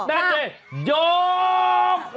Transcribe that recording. แน่ใจยก